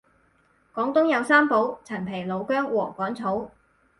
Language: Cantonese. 廣東有三寶陳皮老薑禾桿草